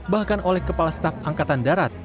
bahkan oleh kepala staf angkatan darat